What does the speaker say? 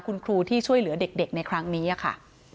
คุณครูที่ช่วยเหลือเด็กในครั้งนี้ค่ะ